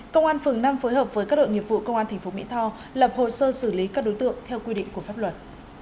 công an phường năm phối hợp với các đội nghiệp vụ công an tp mỹ tho lập hồ sơ xử lý các đối tượng theo quy định của pháp luật